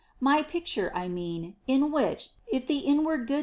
My picture, I mean, in which, if the inward good ' Cottoa.